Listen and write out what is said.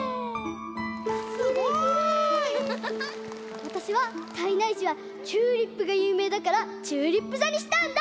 すごい！わたしは胎内市はチューリップがゆうめいだからチューリップざにしたんだ！